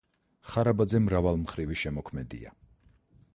ხარაბაძე მრავალმხრივი შემოქმედია.